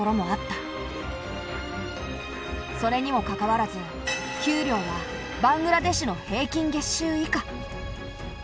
それにもかかわらず給料はバングラデシュの平均月収以下。